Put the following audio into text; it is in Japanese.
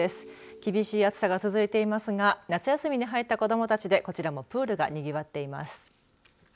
厳しい暑さが続いていますが夏休みに入った子どもたちでこちらもプールがにぎわっています。